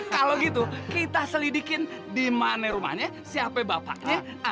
kalo gitu kita selidikin dimana rumahnya siapa bapaknya